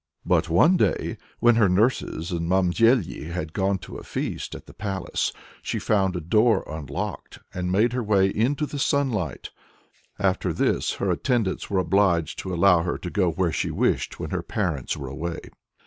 But one day, when her nurses and Mamzeli had gone to a feast at the palace, she found a door unlocked, and made her way into the sunlight. After this her attendants were obliged to allow her to go where she wished, when her parents were away.